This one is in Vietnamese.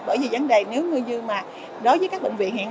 bởi vì vấn đề nếu như mà đối với các bệnh viện hiện